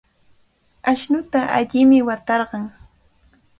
Ashnuta allimi watarqan.